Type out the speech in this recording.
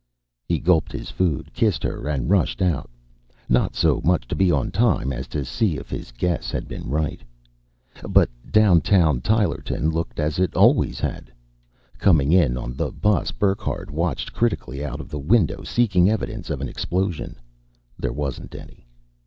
He gulped his food, kissed her and rushed out not so much to be on time as to see if his guess had been right. But downtown Tylerton looked as it always had. Coming in on the bus, Burckhardt watched critically out the window, seeking evidence of an explosion. There wasn't any.